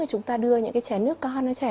rồi chúng ta đưa những cái chén nước con cho trẻ